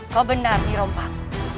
kau benar dirompak